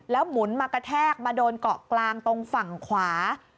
หมุนมากระแทกมาโดนเกาะกลางตรงฝั่งขวา